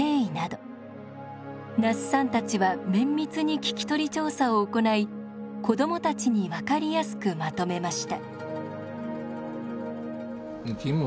那須さんたちは綿密に聞き取り調査を行い子どもたちに分かりやすくまとめました。